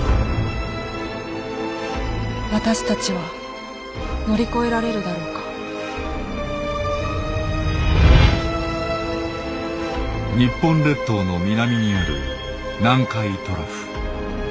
私たちは乗り越えられるだろうか日本列島の南にある南海トラフ。